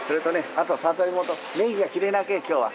あと里芋とネギがきれいなけん今日は。